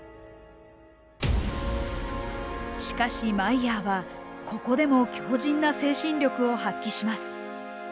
しかしマイヤーはここでも強じんな精神力を発揮します。